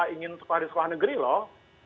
ingin sekolah di sekolah negeri loh